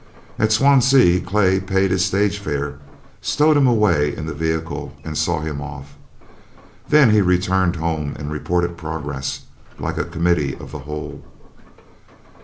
At Swansea Clay paid his stage fare, stowed him away in the vehicle, and saw him off. Then he returned home and reported progress, like a committee of the whole.